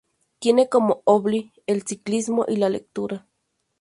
Tiene como hobby el ciclismo y la lectura.